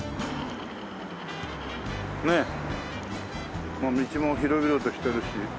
ねえ道も広々としてるし。